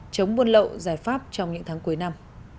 chống buôn lậu giải pháp trong những tháng cuối năm